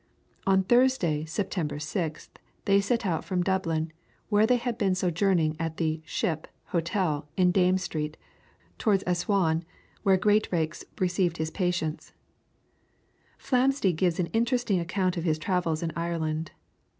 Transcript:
On Thursday, September 6th, they set out from Dublin, where they had been sojourning at the "Ship" Hotel, in Dame Street, towards Assaune, where Greatrackes received his patients. [PLATE: FLAMSTEED'S HOUSE.] Flamsteed gives an interesting account of his travels in Ireland.